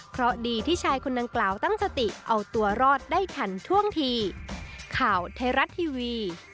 เพราะดีที่ชายคนดังกล่าวตั้งสติเอาตัวรอดได้ทันท่วงที